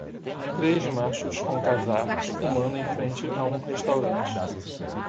Três machos com casacos fumando em frente a um restaurante.